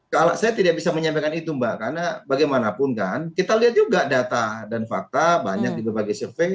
kalau saya tidak bisa menyampaikan itu mbak karena bagaimanapun kan kita lihat juga data dan fakta banyak di berbagai survei